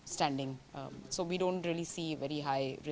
jadi kita tidak melihat resesi yang sangat tinggi